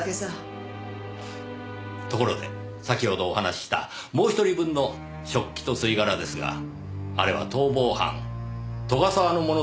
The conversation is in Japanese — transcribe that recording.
ところで先ほどお話ししたもう一人分の食器と吸い殻ですがあれは逃亡犯斗ヶ沢のものではありませんかねぇ？